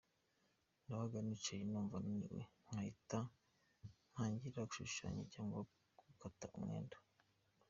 Nabaga nicaye numva naniwe nkahita ntangira gushushanya cyangwa gukata umwenda.